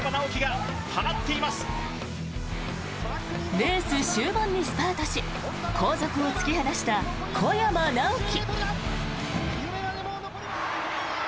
レース終盤にスパートし後続を突き放した小山直城。